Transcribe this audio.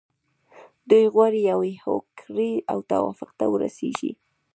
دوی غواړي یوې هوکړې او توافق ته ورسیږي.